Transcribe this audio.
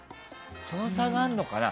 その差があるのかな。